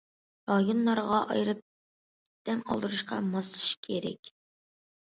رايونلارغا ئايرىپ، دەم ئالدۇرۇشقا ماسلىشىش كېرەك.